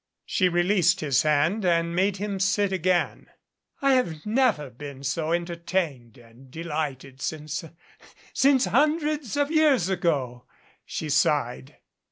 She released his hand and made him sit again. "I've never been so entertained and delighted since since hundreds of years ago," she sighed.